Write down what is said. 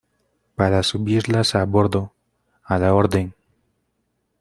para subirlas a bordo. a la orden .